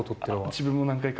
自分も何回か。